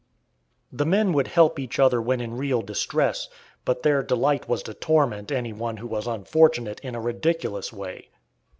The men would help each other when in real distress, but their delight was to torment any one who was unfortunate in a ridiculous way.